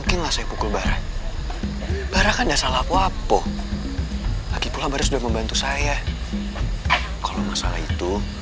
kalau masalah itu